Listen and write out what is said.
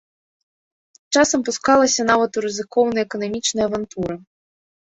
Часам пускалася нават у рызыкоўныя эканамічныя авантуры.